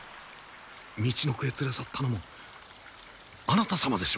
みちのくへ連れ去ったのもあなた様でしょう。